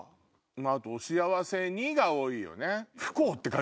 あとお幸せに！が多いよね。